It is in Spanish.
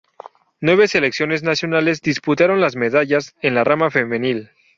Nueve selecciones nacionales disputaron las medallas en la rama femenil.